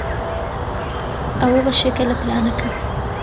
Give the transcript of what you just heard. ئەوە بەشێکە لە پلانەکە.